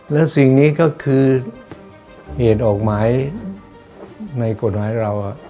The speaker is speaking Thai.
แล้วสิ่งนี้ก็คือเหตุออกหมายในกฎหมายเรา